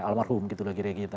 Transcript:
almarhum gitu lah kira kira gitu